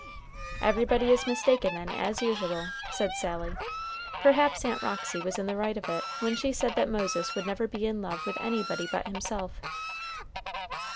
"Everybody is mistaken, then, as usual," said Sally. "Perhaps Aunt Roxy was in the right of it when she said that Moses would never be in love with anybody but himself."